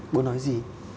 bố nói gì